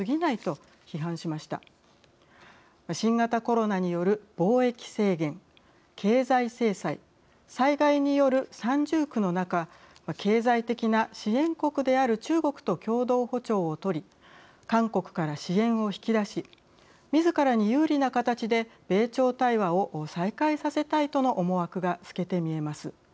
新型コロナによる貿易制限経済制裁災害による三重苦の中経済的な支援国である中国と共同歩調をとり韓国から支援を引き出しみずからに有利な形で米朝対話を再開させたいとの思惑が透けて見えます。